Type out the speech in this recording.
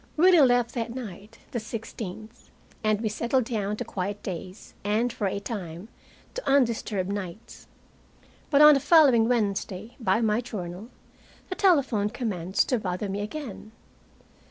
Willie left that night, the 16th, and we settled down to quiet days, and, for a time, to undisturbed nights. But on the following Wednesday, by my journal, the telephone commenced to bother me again.